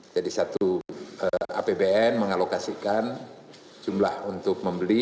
jadi satu apbn mengalokasikan jumlah untuk membeli